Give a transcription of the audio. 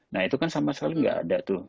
nah itu kan sama sekali nggak ada tuh